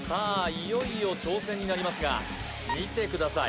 いよいよ挑戦になりますが見てください